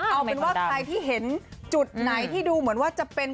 เอาเป็นว่าใครที่เห็นจุดไหนที่ดูเหมือนว่าจะเป็น